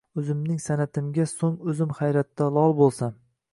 O’zimning san’atimga so’ng o’zim hayratda lol bo’lsam.